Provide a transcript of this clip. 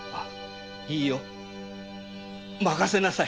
いいよ。任せなさい。